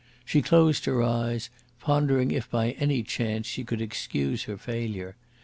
She closed her eyes, pondering if by any chance she could excuse her failure.